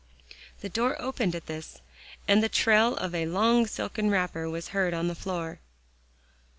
The door opened at this, and the trail of a long silken wrapper was heard on the floor.